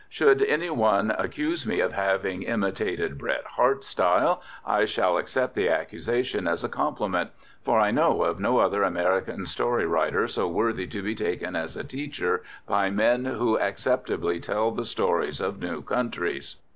Should any one accuse me of having imitated Bret Harte's style, I shall accept the accusation as a compliment, for I know of no other American story writer so worthy to be taken as a teacher by men who acceptably tell the stories of new countries.